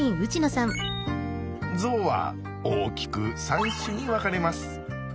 ゾウは大きく３種に分かれます。